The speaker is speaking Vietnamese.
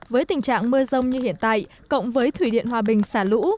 với tình trạng mưa rông như hiện tại cộng với thủy điện hòa bình xả lũ